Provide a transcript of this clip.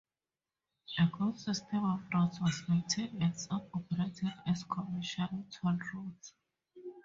A good system of roads was maintained and some operated as commercial "toll roads".